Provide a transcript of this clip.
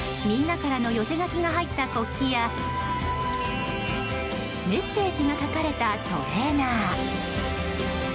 みんなからの寄せ書きが入った国旗やメッセージが書かれたトレーナー。